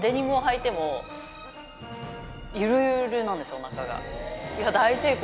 おなかが。